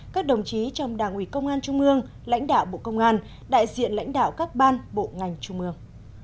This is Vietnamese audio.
các đồng chí trong đảng ủy công an trung ương lãnh đạo bộ công an đại diện lãnh đạo các ban bộ ngành trung ương